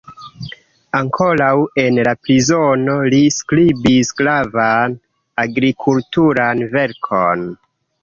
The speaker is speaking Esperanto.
Ankoraŭ en la prizono li skribis gravan agrikulturan verkon.